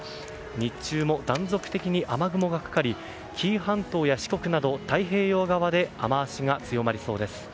日中も断続的に雨雲がかかり紀伊半島や四国など太平洋側で雨脚が強まりそうです。